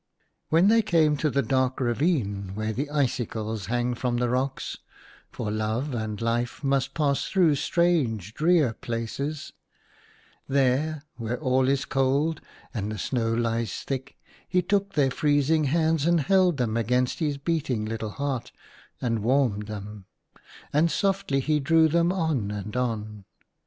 When they came to the dark ravine where the icicles hang from the rocks — for Love and Life must pass through strange drear places — there, where all is cold, and the snow lies thick, he took their freezing hands and held them against his beating little heart, and warmed them — and softly he drew them on and on.